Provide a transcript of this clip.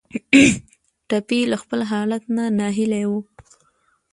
ټپي له خپل حالت نه ناهیلی وي.